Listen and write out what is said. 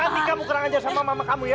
berhenti kamu kurang ajar sama mama kamu ya